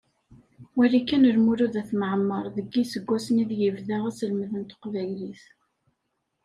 Wali kan Lmulud At Mεemmer deg yiseggasen ideg ibda aselmed n teqbaylit.